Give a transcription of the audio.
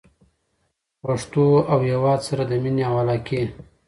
پښتو او هېواد سره د مینې او علاقې